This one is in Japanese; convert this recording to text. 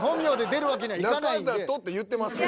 中里って言ってますよ。